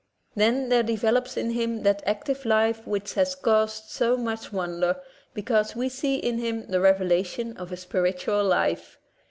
Then there develops in him that active life which has caused so much wonder, because we see in him the reve lation of a spiritual life.